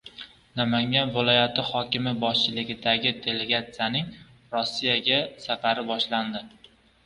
Namangan viloyati hokimi boshchiligidagi delegatsiyaning Rossiyaga safari boshlandi